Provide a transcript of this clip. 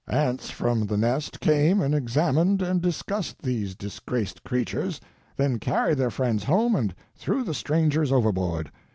Ants from the nest came and examined and discussed these disgraced creatures, then carried their friends home and threw the strangers overboard.